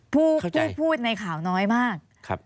พูดในข่าวน้อยมาก